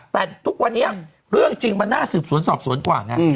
แต่ทุกวันนี้เรื่องจริงมันน่าสืบสวนสอบสวนกว่าไง